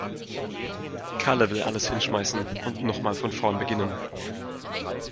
Kalle will alles hinschmeißen und noch mal von vorn beginnen.